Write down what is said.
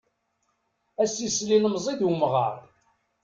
Ad as-isel ilemẓi d umɣar.